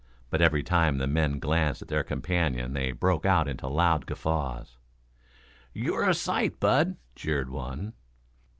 But every time the men glanced at their companion they broke out into loud guffaws. "You're a sight, Bud," jeered one.